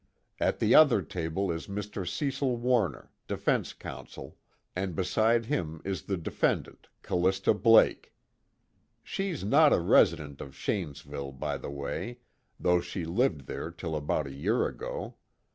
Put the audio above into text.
At the other table is Mr. Cecil Warner, defense counsel, and beside him is the defendant Callista Blake. She's not a resident of Shanesville, by the way, though she lived there till about a year ago.